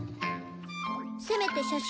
せめて写真でも。